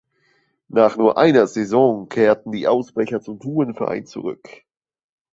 Nach nur einer Saison kehrten die Ausbrecher zum Turnverein zurück.